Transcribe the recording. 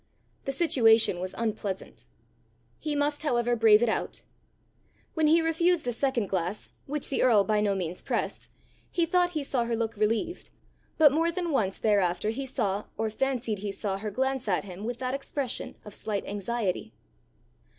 The situation was unpleasant. He must, however, brave it out! When he refused a second glass, which the earl by no means pressed, he thought he saw her look relieved; but more than once thereafter he saw, or fancied he saw her glance at him with that expression of slight anxiety.